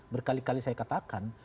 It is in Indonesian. berkali kali saya katakan